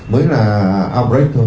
mới là outbreak thôi